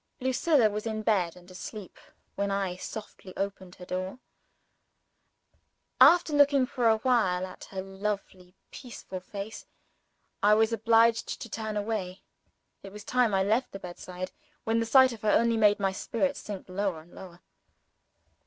Lucilla was in bed and asleep, when I softly opened her door. After looking for awhile at her lovely peaceful face, I was obliged to turn away. It was time I left the bedside, when the sight of her only made my spirits sink lower and lower.